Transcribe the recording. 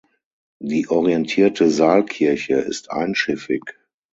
Die orientierte Saalkirche ist einschiffig.